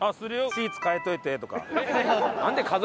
「シーツ替えといて」とか。